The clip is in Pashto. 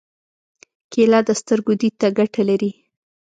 کېله د سترګو دید ته ګټه لري.